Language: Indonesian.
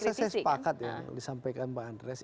saya rasa saya sepakat ya disampaikan bang andreas